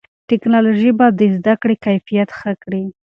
ټیکنالوژي به د زده کړې کیفیت ښه کړي.